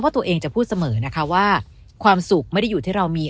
ตัวเองจะพูดเสมอนะคะว่าความสุขไม่ได้อยู่ที่เรามี